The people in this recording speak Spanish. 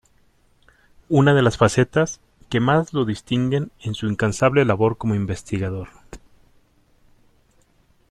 Una de las facetas que más lo distinguen en su incansable labor como investigador.